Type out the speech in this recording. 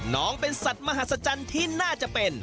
น้องเป็นสัตว์มหัศจรรย์ที่น่าจะเป็น